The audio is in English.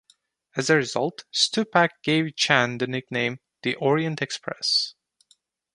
As a result, Stupak gave Chan the nickname "The Orient Express".